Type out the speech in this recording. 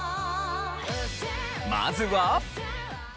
まずは。